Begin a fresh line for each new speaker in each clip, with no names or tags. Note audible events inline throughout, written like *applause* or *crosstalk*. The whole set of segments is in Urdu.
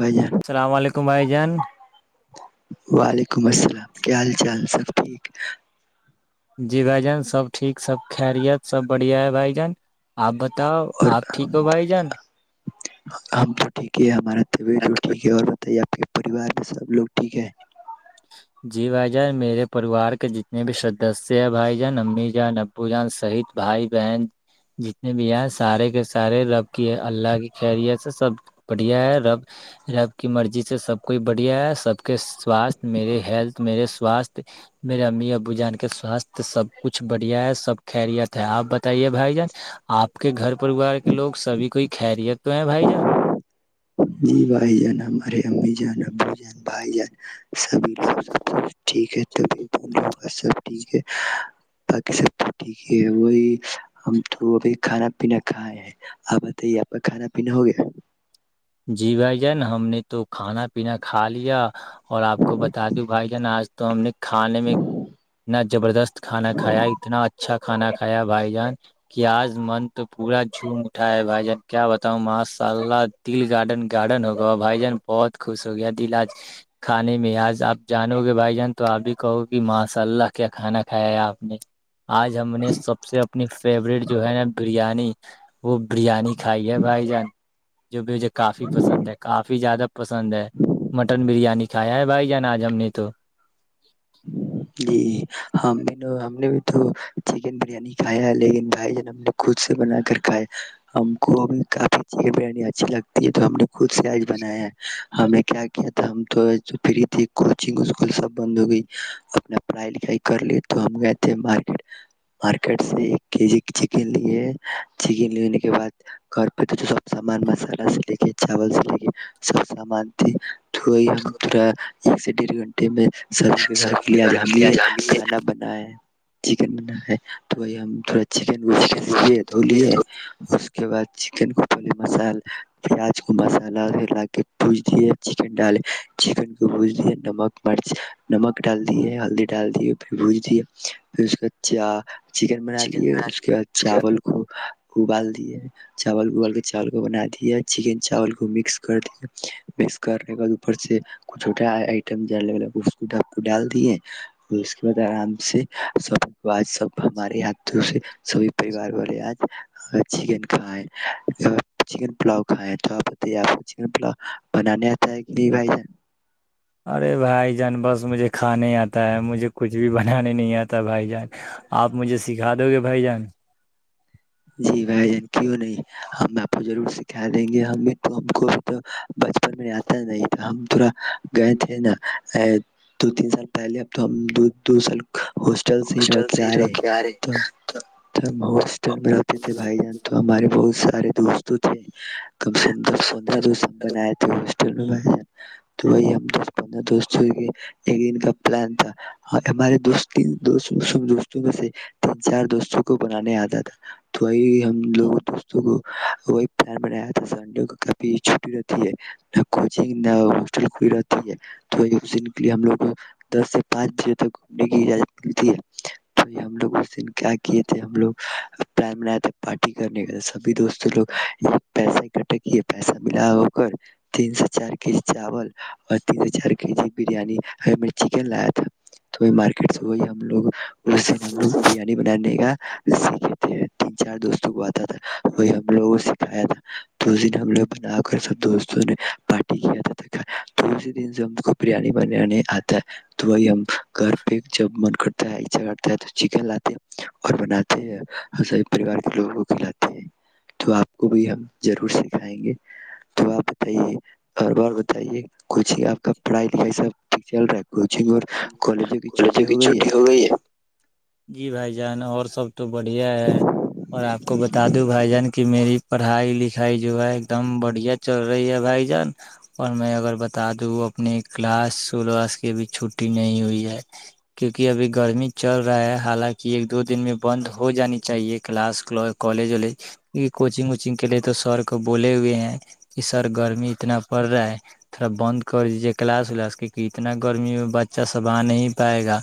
بھائی جان
السلام علیکم بھائی جان
وک *unintelligible* ولیکم السلام کیا حال چال سب ٹھیک
جی بھائی جان سب ٹھ سب خریت سب بڑھیا ہے بھ جان آپ بتاؤ
اور
آپ ٹھیک ہو بھائی جان
ہم تو ٹھیک ہے ہمارا طبیعت بھی ٹھیک ہے اور تو آیا پھر پریوار میں سب لوگ ٹھیک ہے
جی بھائی جان میرے پریوار کے جتنے بھی سدسیہ ہے بھائی جان امی جان ابو جان سہت بھائی بہن جتنے بھی ہیں سارے کے سارے رب کی اللہ کی خیریت سے سب بڑھیا ہے رب رب کی مرضی سے سب کوئی بڑھیا ہے سب کے سواستھ میرے ہیلتھ میرے سوستھ میرے امی ابو جان سواستھ سب کچھ بڑھیا ہے سب خریت ہے آپ بتائیے بھائی جان آپ کے گھر پریوار کے لوگ سبھی کوئی خیریت تو یہ بھائی جان
نہیںی بھائی جان ہمارے امی جان ابو جان بھائی جان سبھی لوگ سب کچھ ٹھیک ہے تبھیعت د کا سب ٹھیک ہے بقی سب تو ٹھیک ہے وہی ہم تو ابھی کھانا پینا کھائے ہیں آپ بتائیے آپ کا کھانا پینا ہو گیا
جی بھائی جان ہم نے تو کھانا پینا کھا لیا اور آپ کو بتا د بھائی جان آج تو ہم نے کھانے میں اتنا زبردست کھانا کھایا اتنا اچھا کھانا کھایا بھائی جان کیا آج من تو پورا جھوم اٹھا ہے بھائی جان کیا بتاؤں ماشاء اللہ دل گارڈن گارڈن ہوگا بھائی جان بہت خوش ہو گیا دل آج کھانے میں آج آپ جانو گے بھائی جان تو آپ بھی کہو گی ماشاء اللہ کیا کھانا کھایا ہے آپ نے آج ہم نے سب سے اپنی فیورورٹ جو ہے نا بریانی وہ بریانی کھائی ہے بھائی جان جو بھی مجھے کافی پسند ہے کافی زیادہ پسند ہے مٹن بریانی چھیا ہے بھائی جانا آج ہم نے تو
جی ہم بھی ہم نے بھی تو چکن بریانی کھایا ہے لیکن بھائی جان ہم نے خود سے بنا کر کھاائے ہم کوب کافی چکن بریانی اچھی لگتی ہے تو ہم نے خود سے آج بنایا ہے ہمیں کیا کیا تھا ہم تو فری تے کوچنگ اسکول سب بند ہو گئی اپنا پڑھائی لکھائی کر لی تو ہم گئے تھے مارکیٹ مارکیٹ سے ایک کے جی چکن لی چکن لینے کے بعد گھر پہ سب سامان مسالہ سے لے کے چاول سے لے کے سب سامان تھے تو وہی ہم پا ایک سے ڈڑھ گھنٹہ میں سبھی گھر کے لیے آج ہمیں یہ کھانا بنائے چکن بن ہے تو بائی ہم تھوڑا چکن گف کیے دھو لیے اس کے بعد چکن کو پہلے مسال پیاز کو مسالہ ل کے بج دی چکن ڈالے چکن کو بج دی نمک مرچ نمک ڈال دیے ہلدی ڈال دی پھر بھج دیئے پھر اس کا چ چکن بنا لیے اس کے بعد چاول کو ابال دی چاول ابال کے چاول کو بنا دی چکن چاول کو مکس کر دیے مکس کرنے کے بع اوپر سے کچھوٹا آئٹم ج لگ گ ڈپ کو ڈال دیے اس کے بعد آرام سے س ب ہمارے ہات سے سبھی پریوار بولے آج چکن کھائے چکن پلا کھائے تو آپ بتائیے آپ کو چکن پلا بنانے آتا ہے کہ نہیں بھائی ج
ارے بھائی جان بس مجھے کھانے آتا ہے مجھے کچھ بھی بنانے نہیں آتا بھائی جان آپ مجھے سکھا دو گے بھائی جان
جی بھائی جان کیوں نہیں ہاں آپ جضر سھ کہ دیں گے ہمیں تو ہم کو تو بچپن میں آتا نہیں ہم تھورا گئے تھے نا ا دو تین سال پہلے اب تو ہم دو دو سال ہاسٹل سے ہی رہ کے آ رہے تو ل میں رہتے تھے بھائی جان تو ہمارے بہت س سارے دوستوں تھے کم سے کم دس پندرہ دو س بنئے تھے بھ تو وہی ہم دس پندرہ دوستوں کے ایک دن کا پلان تھا ہمارے دو دو دوستوں میں سے تین چار دوستوں کو بنانے آتا تھا تو وہ ہم لوگ دوستوں کو وہی پار بنایا تھا سنڈے کو کافی چھٹی رہتی ہے نہ کوچنگ نہ ہسٹل کھ رہتی ہے تو اس دن کے لیے ہم لوگ کو دس سے پانچ بجے تک گھومنے کی اجازت ملتی ہے تو ہم لوگ اس دن کیا کیے تھے ہم لوگ پلان بنایا تھا پارٹی کرنے کے سبھی دوستوں لو یہ پیسا اکٹھا کیے پیسا ملا ہو کر تین سے چار کے جی چاول اور تین سے چار کے جی بریانی چکن لایا تھا تو وہ مارکیٹ سے وہی ہم لوگ اس دن ہم لوگ بریانی بنانے گا اسی تین چار دوستوں کو آتا تھا وہی ہم لوگ کو سکھایا تھا تو اس دن ہم لوگ بنا کر سب دوستوں نے پارٹی کیا تھا تو اسی دن سے ہم کو بریانی بنانے آتا وہی ہم گھر پہ جب من کر تا اچھا کرتا ہے تو چکن لاتے اور بناتے سب پریوار کے لوگوں کو کھلاتے ہیں تو آپ کو بھی ہم ضرور سکھائیں گے تو آپ بتائیے اور بار بتائیے کچھ ہی آپ کا پڑھائی لکھائی سب پ چل رہ
کالجوں کی چھٹی ہو گئی ہے جی بھائی ج ہے نا اور سب تو بڑھیا ہے اور آپ کو بتا دوں بھائی جان کہ میری پڑھائی لکھائی جو ہے ایک دم بڑھیا چل رہی ہے بھائی جان اور میں اگر بتا د اپنے کلاس الاس کے بھی چ چھٹی نہیں ہوئی ہے کیوںکہ ابھی گرمی چل رہا ہے حالانکہ ایک دو دن میں بند ہو جانی چاہیے کلاس کالج والج کیکہ کوچنگ وچنگ کے لیے تو سر کو بولے ہوئے ہیں کہ سر گرمی اتنا پڑ رہا ہے تھوڑا بند کر دیجیے کلاس ولاس کیکہ اتنا گرمی ب اچا سب نہیں پائے گا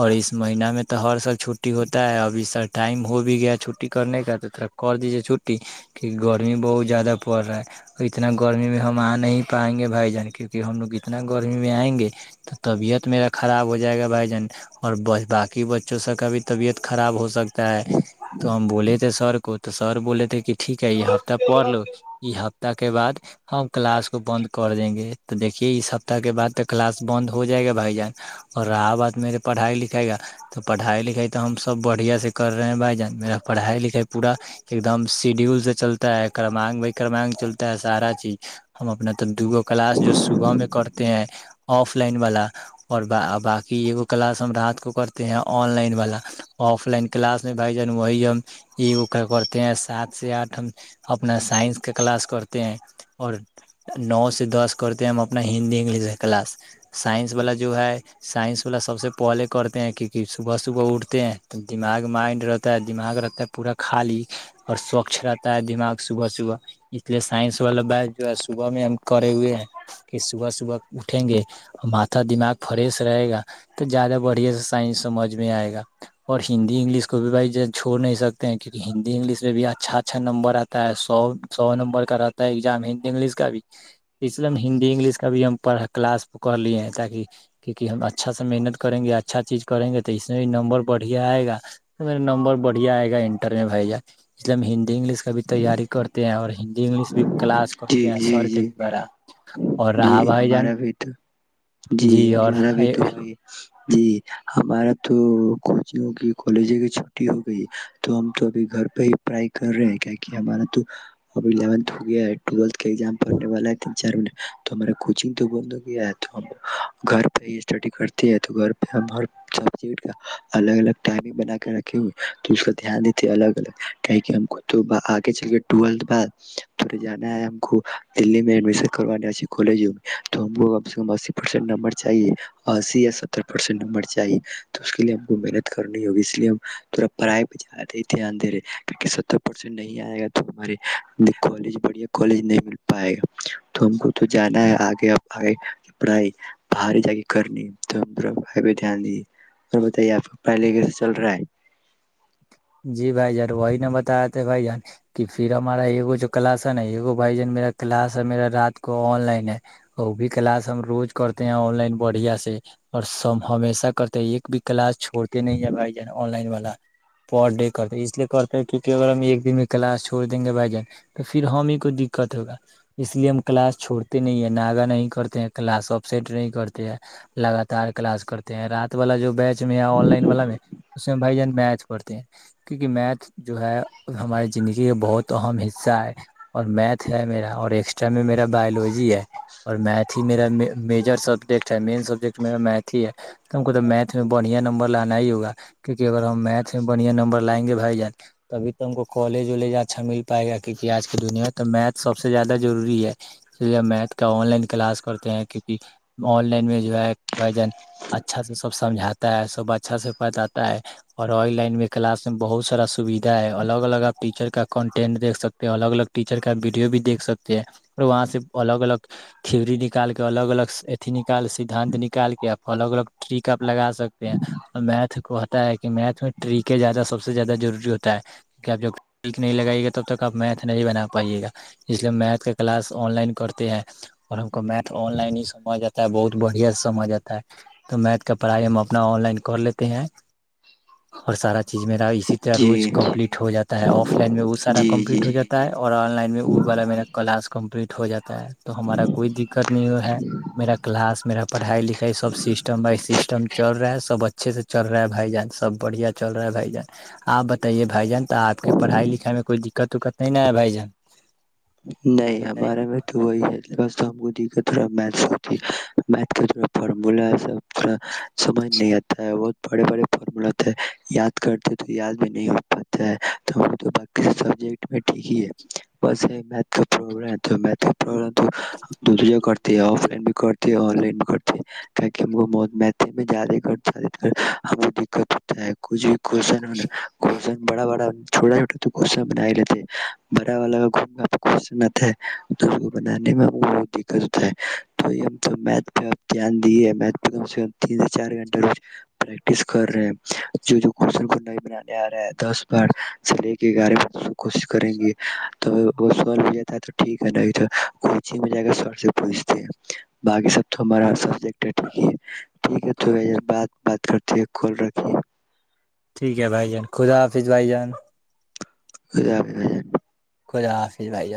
اور اس مہین میں تو ہر سال چھٹی ہوتا ہے اب سر ٹائم ہو بھی گیا چھٹی کرنے کا تو تھوڑا کر دیجیے چھٹٹی کیونکہ گرمی بہت زیادہ پڑ رہا ہے اور اتنا گرمی میں ہم آ نہیں پائیں گے بھائی جان کیونکہ ہم لوگ اتنا گرمی میں آئیں گے تو طبیعت میرا خراب ہو جائے گا بھائی جان اور باقی بچوں سب کا بھی طبیعت خراب ہو سکتا ہے تو ہم بولے تھے سر کو تو سر بولے تھے کہ ٹھیک ہے یہ ہفتہ پڑھ لو یہ ہفتہ کے بعد ہم کلاس کو بند کر دیں گے تو دیکے اس سپتہ کے بع تو کلاس بند ہو جائے گا بھائی جان اور رہا بات میرے پڑھائی لکھائی کا تو پڑھائی لکھائی تو ہم سب بڑھیا سے کر رہے ہیں بھائی جان میرا پڑھائی لکھائی پورا ایک دم شیڈیول سے چلتا ہے کرمانک بائی کرمانک چلتا ہے سارا چیز ہم اپنا تو دوگو کلاس جو صبح میں کرتے ہیں آف لائن والا اور باقی ای کلاس ہم رات کو کرتے ہیں آن لائن والا آف لائن کلاس میں بھائی جان وہی ہم ایک کرتے ہیں سات سے آٹھ ہم اپنا سائنس کا کلاس کرتے ہیں اور نو سے دس کرتے ہیں ہم اپنا ہندی انگلش کا کلاس سائنس والا جو ہے سائنس والا سب سے پہلے کرتے ہیں کیون کہ صبح صبح اٹھتے ہیں تو دماغ مائنڈ رہتا ہے دماغ رہتا ہے پورا خالی اور سوچھ رہتا ہے دماغ صبح صبح اس لیے سائنس والا بچ جو ہے صبح میں ہم کرے ہوئے ہیں کہ صبح صبح اٹھیں گے ا دماغ فریش رہے گا تو زیادہ بڑھے سے سائنس سمجھ میں آئے گا اور ہندی انگلش کو بھی بھائی چھوڑ نہیں سکتے ہیں کیونکہ ہندی انگلش میں بھی اچھا اچھا نمبر آتا ہے سو سو نمبر کا رہتا ہے ایگزام ہندی انگلش کا بھی اس لیے ہم ہندی انگلش کا بھی ہم پھ کلاس کر لیے ہیں ت کہ ہم اچھا محنت کریں گے اچھا چیز کریں گے اس میں بھی نمبر بڑھیا آئے گا میرا نمبر بڑھیا آئے گا انٹر میں بھی جا اس لیے ہم ہندی انگلش کا بھی تیاری کرتے ہیں اور ہ انگلش بھی کلاس
جی
کرتے ہیں
جی
سر کے
جی
دوارہ اور رہاہا
جی
بھائی جان
ہمارا بھی تو جی ہمارا بھی تو وہی جی ہمارا تو کوچگوں کی کالج کی چھٹی ہو گئی تو ہم تو ابھی گھر پہ ہی پائی کر رہے ہیں کیا کہ ہمارا تو اب الیونتھ ہو گیا ویلتھ گزام پڑنے والا ہے تین چارن تو ہمارا کوچنگ تو بند ہو گیا ہے تو ہم گھر پہ ہی اسٹڈی کرتے ہیں تو گھر پہ ہم ہر سبٹ کا الگ الگ ٹائمگ بنا کے رکھے ہوئے تو اس کا دھیان دیتے ہیں الگ الگ کہ ہم خود تو آگے چل گئے ٹولھ بعد ے جانا ہے ہم کو دلی میں ایڈمیشن کروانے کالجوں میں تو ہم کو کم سے کم اسی پرسینٹ نمبر چاہیے اسی یا ستر پرسینٹ نمبر چاہیے تو اس کے لیے ہم کو محنت کرنی ہوگی اس لیے ہم تھورا پڑھائی پہ زیادہ ہی دھیان دے رہے کیونکہ ستر پرسینٹ نہیں آئے گا تو ہمارے کالج بڑھیا کالج نہیں مل پائے گ تو ہم کو تو جانا ہے آگے پڑھائی باہر جا کے کرنی تو پہ د دی اور بتائیے آپ پڑھائی لے کیسے چل رہا ہے
جی بھائی جان وہی ن بتاے بھائی جان کہ پھر ہمارا ایکو جو کلاس ہے نا ایکو بھائی جان میرا کلاس ہے میرا رات کو آن لائن ہے وہ بھی کلاس ہم روز کرتے ہیں آن لائن بڑھیا سے اور سب ہمیشہ کرتے ہیں ایک بھی کلاس چھوڑتے نہیں ہے بھائی جان آن لائن والا پر ڈے کرتے اس لیے کرتے ہیں کیونکہ اگر ہم ایک دن میں کلاس چھوڑ دیں گے بھائی جان تو پھر ہم ہی کوئی دقت ہوگا اس لیے ہم کلاس چھوڑتے نہیں ہیں ناگہ نہیں کرتے ہیں کلاس اپسیٹ نہیں کرتے ہیں لگاتار کلاس کرتے ہیں رات والا جو بیچ میں ہے آن لائن والا میں اس میں بھائی جان میچ پڑھتے ہیں کیونکہ میتھ جو ہے ہماراری زندگی کا بہت اہم حصہ ہے اور میتھ ہے میرا اور ایکسٹرا میں میرا بایولوجی ہے اور میتھ ہی میرا میجر سبجیکٹ ہے مین سبجیکٹ میرا میتھ ہی ہے تو ہم کو تو میتھ میں بڑھیا نمبر لانا ہی ہوگا کیونکہ اگر ہم میتھ اچھے بڑھیا نمبر لائیں گے بھائی جن تبھی تو ہم کو کالج والج اچھا مل پائے گا کیونکہ آج کی دنیا میں تو میتھ سب سے زیادہ ضروری ہے اس لیے ہم میتھ کا آن لائن کلاس کرتے ہیں کیونکہ آن لائن میں جو ہے بھائی جن اچھا سے سب سمجھاتا ہے سب اچھا سے بتاتا ہے اور اور لائن میں کلاس میں بہت سارا سویدھا ہے الگ الگ آپ ٹیچر کا کنٹینٹ دھ سکتے الگ الگ ٹیچر کا ویڈیو بھییکھ سکتے ہیں اور وہاں سے الگ الگ تھھیوری نکال کے الگ الگ ایھی نکال سدھانت نکال کے آپ الگ الگ ٹریک آپ لگا سکتے ہیں اور میتھ کوتا ہے کہ میتھ اس میں ٹیکیں زیادہ سب سے زیادہ ضروری ہوتا ہے کیکہ آپ جب ٹریک نہیں لگائی گے تب تک آپ میھ نہیں بنا پائیے گا اس لیے ہم میتھ کا کلاس آن لائن کرتے ہیں اور ہم کو میتھ آن لائن ہی سمھا جاتا ہے بہت بڑھیا سے سمجھ آاتا ہے تو میتھ کا پڑھائی ہم اپنا آن لائن کر لیتے ہیں اور سارا چیز میرا طر روز
جی
کمپلیٹ ہو جا ہے ت آف لائن میں وہ سارا
جی
کمپلیٹ ہو
جی
جاتا ہے اور آن لائن میں وہ والا میرا کلاس کمپلیٹ ہو جاتا تو ہمارا کوئی دقت نہیں ہو ہے میرا کلاس میرا پڑھائی لکھائی سسٹم بائی سسٹم دم چل رہا ہے سب اچھے سے چل رہا ہے بھائی جان سب بڑھیا چل رہا ہے بھائی جان آپ بتائیے بھائی جان تو آپ کے پڑھائی لکھائی میں کوئی دقت وککت نہیں ن ہے بھائی جان
نہیں ہمارے میں تو وہی ہے بس ہم ا تھا فارمو سب تھا سمجھ نہیں آتا ہے وہ بڑے بڑے فارمولات یاد کرتے تو یاد بھی نہیں ہو پاتا ہے تو بقی سبجیکٹ میں ٹھیک ہی ہے بسیھ پرابلم تو دوجا کرتے آف لائن بھی کرتے لائن کرتے تہ ہم کو مت زیادہ ہم کو دت کچھ بھی کوشچن کوشن بڑا بڑا چھوٹا چھٹا تو غصہ بن لیتے بڑا والا گ کون آتا ہے تو اس بنانے میں ہم کو ب دقت ہوتا ہے تو یہ تو میتھ پہ آپ دھیان دیے میتھ پہ کم سے کم تین سے چار گھنٹے ر پریکٹس کر رہے ہیں جو جون کو نہیں بنانے آ رہا ہے دس بار سے گیارہ ب کوشش کریں گے تو وہ س بھی جتا ہے تو ٹھیک ہے نہیں کوچگ میں جا کے سر سے پوچھتے ہیں باقی سب تو ہمارا سبیکٹ ہے ٹھیک ہے ٹھیک ہے تو بات بات کرتے کال رک
ٹھیک ہے بھائی جان خدا حافظ بھائی جان
ک آ نہیں
خدا حافظ بھ ج